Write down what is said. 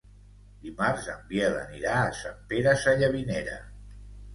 Dimarts en Biel anirà a Sant Pere Sallavinera.